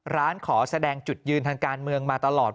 ร้านขอแสดงจุดยืนทางการเมืองมาตลอด